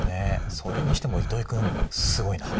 それにしても糸井君すごいな。